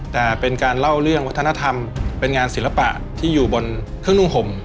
แต่เป็นการเล่าเรื่องวัฒนธรรมเป็นงานศิลปะที่อยู่บนเครื่องนุ่งห่ม